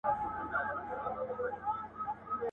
كيسې هېري سوې د زهرو د خوړلو.